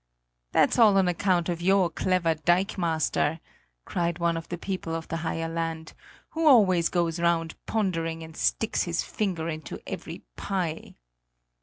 "That's all on account of your clever dikemaster," cried one of the people of the higher land, "who always goes round pondering and sticks his finger into every pie!"